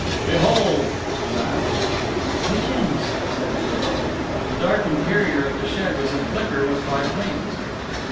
"Behold!" he laughed. "Pigeons!" said the girl. The dark interior of the shed was aflicker with white wings.